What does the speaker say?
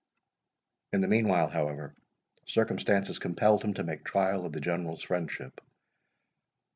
In the meanwhile, however, circumstances compelled him to make trial of the General's friendship.